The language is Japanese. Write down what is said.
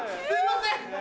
すいません！